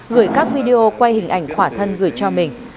gửi các video quay hình ảnh khỏa thân gửi cho mình